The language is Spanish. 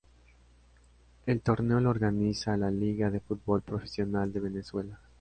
El torneo lo organiza la Liga de Fútbol Profesional de Venezuela.